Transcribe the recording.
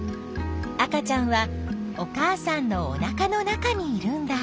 赤ちゃんはお母さんのおなかの中にいるんだ。